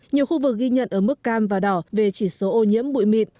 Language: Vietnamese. nhiều khu vực ghi nhận ở mức cam và đỏ về chỉ số ô nhiễm bụi mịn